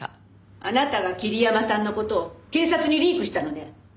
あなたが桐山さんの事を警察にリークしたのね？